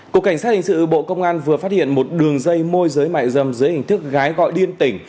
cục cảnh sát hình sự bộ công an vừa phát hiện một đường dây môi giới mại dâm dưới hình thức gái gọi liên tỉnh